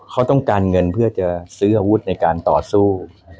เขาต้องการเงินเพื่อจะซื้ออาวุธในการต่อสู้